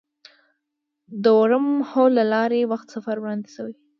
د ورم هول له لارې وخت سفر وړاندیز شوی.